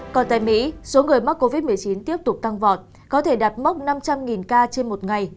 còn tại mỹ số người mắc covid một mươi chín tiếp tục tăng vọt có thể đạt mốc năm trăm linh ca trên một ngày